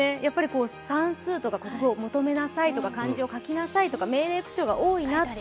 算数とか国語、「もとめなさい」とか「漢字を書きなさい」とか命令口調が多いなと。